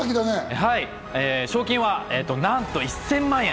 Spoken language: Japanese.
はい、賞金はなんと１０００万円。